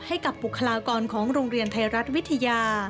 ให้กับบุคลากรของโรงเรียนไทยรัฐวิทยา